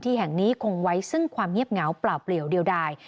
แห่งนี้คงไว้ซึ่งความเงียบเหงาเปล่าเปลี่ยวเดียวดาย